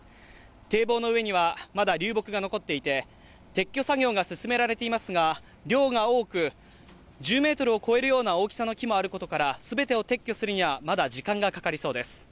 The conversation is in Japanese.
堤防の上にはまだ流木が残っていて、撤去作業が進められていますが、量が多く、１０ｍを超えるような大きさの木もあることから、全てを撤去するには、まだ時間がかかりそうです。